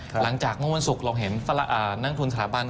หลังจากเมื่อวันศุกร์เราเห็นนักทุนสถาบัน